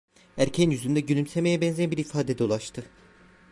Erkeğin yüzünde gülümsemeye benzeyen bir ifade dolaştı.